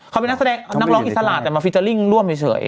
เขาเป็นนักแสดงนักร้องอิสระแต่มาฟิเจอร์ลิ่งร่วมเฉย